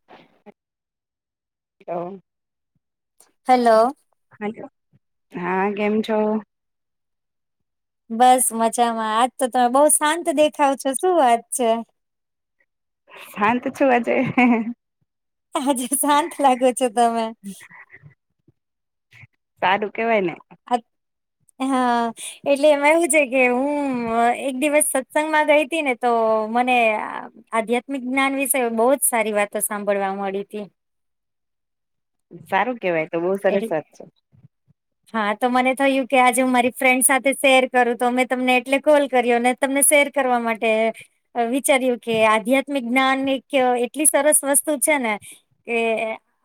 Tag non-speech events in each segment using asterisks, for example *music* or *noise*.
હ *unintelligible* hello hello હા કેમ છો? બસ મજામાં આજ તો તમે બઉ શાંત દેખાવ છો શું વાત છે. શાંત છું આજે આજે શાંત લાગો છો તમે સારુ કેવાયને *unintelligible* હા એટલે એમાં એવું છે કે હું એક દિવસ સત્સંગમાં ગઈ હતી ને તો મને આધ્યાત્મિક જ્ઞાન વિશે બહુ જ સારી વાતો સાંભળવા મળી હતી સારું કેવાય તો બહુ એટલે સરસ વાત છે. હા તો મને થયું કે આજે હું મારી ફ્રેન્ડ સાથે શેર કરું તો અમે તમને એટલે કોલ કર્યો ને તમને શેર કરવા માટે વિચાર્યું કે આધ્યાત્મિક જ્ઞાન એક એટલી સરસ વસ્તુ છે ને કે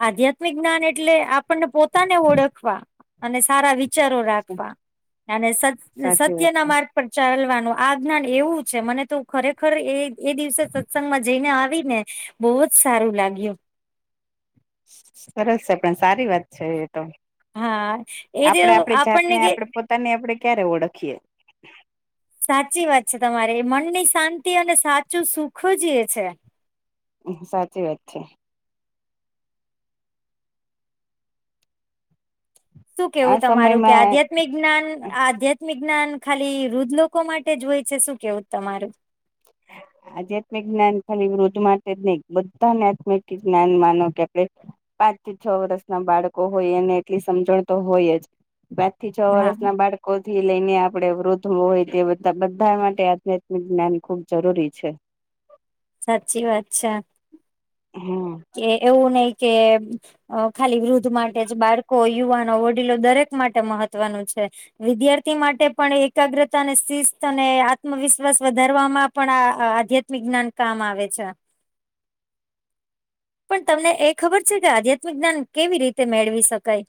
આધ્યાત્મિક જ્ઞાન એટલે આપણને પોતાને ઓળખવા અને સારા વિચારો છે રાખવા અનેત સાચી વાત સત્યના છે મા ચાલવાનું આ જ્ઞાન એવું છે મને તો ખરેખર એ એ દિવસે સત્સંગમાં જઈને આવી ને બહુ જ સારું લાગ્યું સરસ છે પણ સારી વાત છે એ તો હા એ આપણને કે પોતાને આપડણે ક્યારે ઓળખીએ સાચી વાત છે તમારે મનની શાંતિ અને સાચું સુખ જ એ છે. સાચી વાત છે. શું આ કેવું તમારું કે સમયમાં આધ્યાત્મિક જ્ઞાન આ આધ્યાત્મિક જ્ઞાન ખાલી વૃદ્ધ લોકો માટે જ હોય છે શું કેવું તમારું *inaudible* આધ્યાત્મિક જ્ઞાન ખાલી વૃદ્ધ માટે જ નહી બધાને આત્મિક જ્ઞાન માનો કે આપણે પાંચથી છ વર્ષ ના બાળકો હોય એને એટલી સમજણ તો હોય જ પાંચ થી છ હા વર્ષ ના બાળક થી લઈને આપણે વૃદ્ધ હોય તે બધા માટે આધ્યાત્મિક જ્ઞાન ખુબ જરૂરી છે સાચી વાત છે હમ કે એવું નહિ કે અ ખાલી વૃદ્ધ માટે જ બાળકો યુવાનો વડીલો દરેક માટે મહત્વનું છે. વિદ્યાર્થી માટે પણ એકાગ્રતા અને શિસ્ત અને આત્મવિશ્વાસ વધારવામાં પણ આ આધ્યાત્મિક જ્ઞાન કામ આવે છે. પણ તમને એ ખબર છે કે આધ્યાત્મિક જ્ઞાન કેવી રીતે મેળવી શકાય?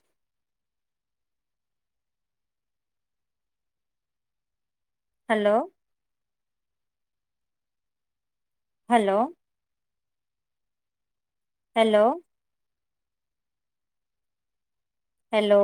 Hello hello hello hello